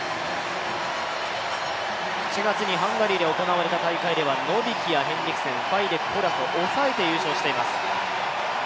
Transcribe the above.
７月にハンガリーで行われた大会ではノビキやヘンリクセン、ファイデク、ホラスを抑えて優勝しています。